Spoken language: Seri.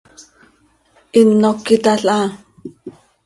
Hino cöyitalhaa.